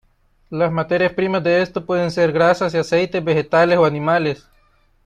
Las materias primas de esto pueden ser grasas y aceites vegetales o animales.